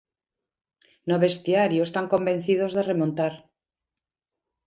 No vestiario están convencidos de remontar.